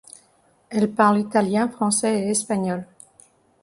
Elle parle italien, français et espagnol.